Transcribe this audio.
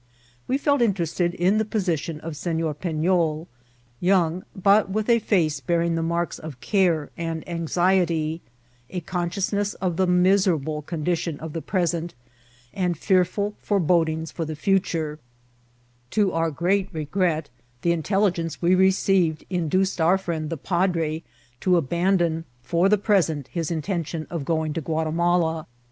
We felt interested in the position of SeSor Pefbl ; young, but with a face bearing the marks of care and anxiety, a consciousness of the miserable condition of the present, and fearful forebodings for the future* To our great regret, the intelligence we received indu ced our friend the padre to abandon, for the present, his intention of going to Guatimala.